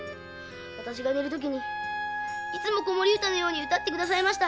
私が寝る時にいつも子守歌のように歌って下さいました。